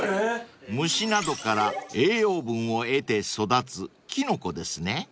［虫などから栄養分を得て育つキノコですね］